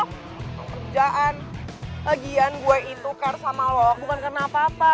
kerjaan kegiatan gue itu care sama lo bukan karena apa apa